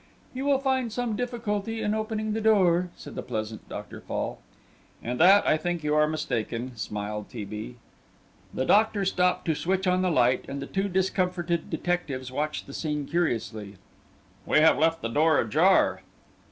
"You will find some difficulty in opening the door," said the pleasant Doctor Fall. "In that I think you are mistaken," smiled T. B. The doctor stopped to switch on the light, and the two discomforted detectives watched the scene curiously. "We have left the door ajar."